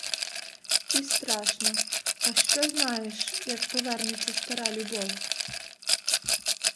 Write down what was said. І страшно: а що знаєш, як повернеться стара любов?